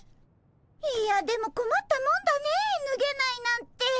いやでもこまったもんだねえぬげないなんて。